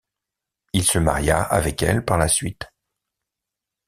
Il se maria avec elle par la suite.